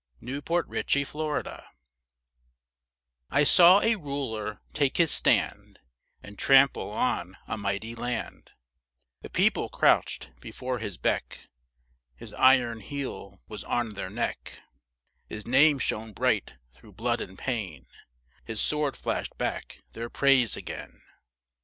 VERSE: THE THREE RULERS I saw a Ruler take his stand And trample on a mighty land; The People crouched before his beck, His iron heel was on their neck, His name shone bright through blood and pain, His sword flashed back their praise again.